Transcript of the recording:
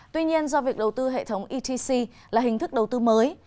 tuy nhiên do việc đầu tư hệ thống etc là hình thức đầu tư mới